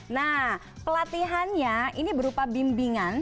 nah pelatihannya ini berupa bimbingan